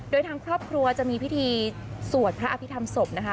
โดยทางครอบครัวจะมีพิธีสวดพระอภิษฐรรมศพนะคะ